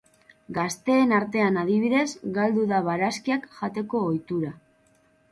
Gazteen artean, adibidez, galdu da barazkiak jateko ohitura.